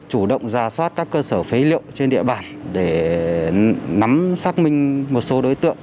chủ động ra soát các cơ sở phế liệu trên địa bàn để nắm xác minh một số đối tượng